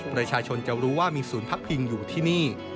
ประชาชนจะรู้ว่ามีศูนย์พักพิงอยู่ที่นี่